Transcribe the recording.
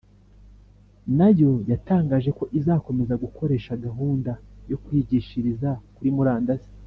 nayo yatangaje ko izakomeza gukoresha gahunda yo kwigishiriza kuri murandasi .